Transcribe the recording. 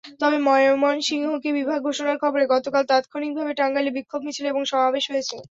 তবে ময়মনসিংহকে বিভাগ ঘোষণার খবরে গতকাল তাৎক্ষণিকভাবে টাঙ্গাইলে বিক্ষোভ মিছিল এবং সমাবেশ হয়েছে।